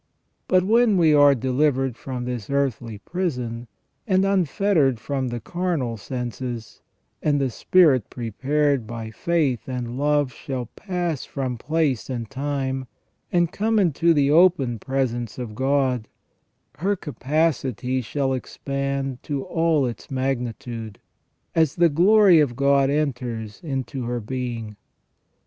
But when we are delivered from this earthly prison, and unfettered from the carnal senses, and the spirit prepared by faith and love shall pass from place and time, and come into the open presence of God, her capacity shall expand to all its magnitude, as the glory of God enters into her being.